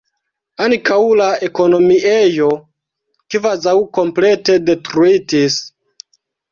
Ankaŭ la ekonomiejo kvazaŭ komplete detruitis.